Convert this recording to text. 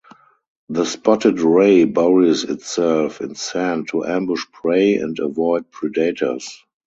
The spotted ray buries itself in sand to ambush prey and avoid predators.